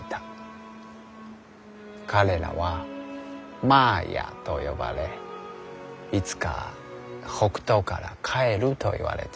彼らはマーヤと呼ばれいつか北東から帰ると言われていた。